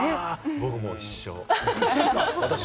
僕も一緒。